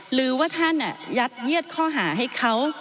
หรือว่าท่านยัดเยียดข้อหาให้เขา